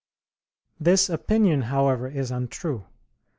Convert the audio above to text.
This opinion, however, is untrue.